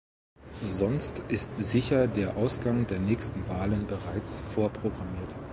Sonst ist sicher der Ausgang der nächsten Wahlen bereits vorprogrammiert.